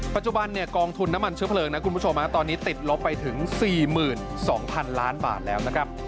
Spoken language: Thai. ปัจจุบันกองทุนน้ำมันเชื้อเผลิงตอนนี้ติดลบไปถึง๔๒๐๐๐ล้านบาทแล้ว